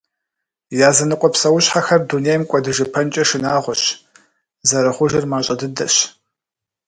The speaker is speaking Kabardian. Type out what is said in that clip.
Языныкъуэ псэущхьэхэр дунейм кӀуэдыжыпэнкӏэ шынагъуэщ, зэрыхъужыр мащӏэ дыдэщ.